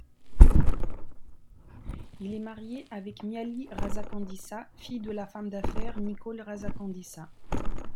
Il est marié avec Mialy Razakandisa, fille de la femme d'affaires Nicole Razakandisa.